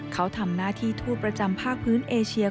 เขาทำหน้าที่ทูตประจำภาคพื้นเอเชีย